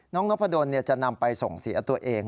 น้องนกพะดนจะนำไปส่งเสียตัวเอง